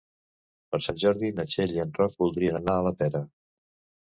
Per Sant Jordi na Txell i en Roc voldrien anar a la Pera.